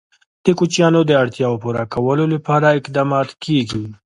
د کوچیانو د اړتیاوو پوره کولو لپاره اقدامات کېږي.